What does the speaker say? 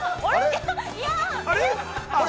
◆あれ？